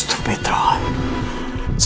tapi perasaan g takeaways